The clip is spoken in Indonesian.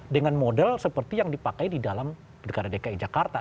dengan model seperti yang dipakai di dalam dki jakarta